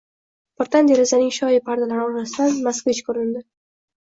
Birdan derazaning shoyi pardalari orasidan moskvich ko‘rindi.